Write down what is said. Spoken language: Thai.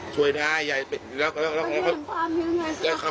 ช่วยยายได้มั้ยคะช่วยได้ยาย